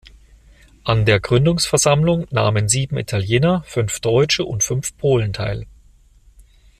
An der Gründungsversammlung nahmen sieben Italiener, fünf Deutsche und fünf Polen teil.